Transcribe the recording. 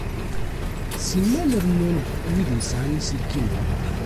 Simmal rennun-d wid yesεan iselkimen.